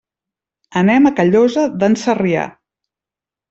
Anem a Callosa d'en Sarrià.